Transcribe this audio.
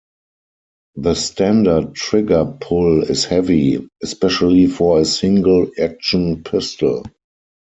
The standard trigger pull is heavy, especially for a single-action pistol.